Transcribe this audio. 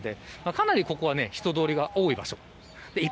かなり、ここは人通りが多い場所です。